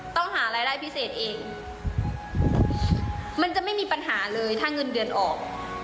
ต้องหารายได้พิเศษเองมันจะไม่มีปัญหาเลยถ้าเงินเดือนออก